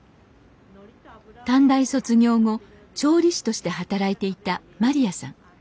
短大卒業後調理師として働いていたまりやさん。